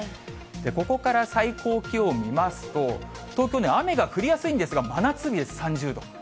ここから最高気温見ますと、東京ね、雨が降りやすいんですが、真夏日です、３０度。